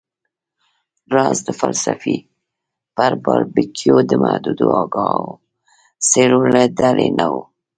راز د فلسفې پر باریکیو د محدودو آګاهو څیرو له ډلې نه و